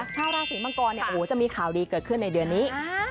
ชาวราศีมังกรจะมีข่าวดีเกิดขึ้นในเดือนนี้